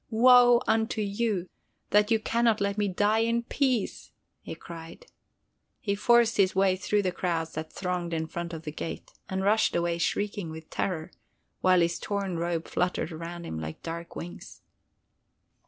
"Woe unto you, that you can not let me die in peace!" he cried. He forced his way through the crowds that thronged in front of the gate, and rushed away shrieking with terror, while his torn robe fluttered around him like dark wings.